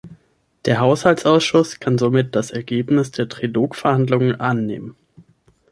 Der Haushaltsausschuss kann somit das Ergebnis der Trilogverhandlungen annehmen.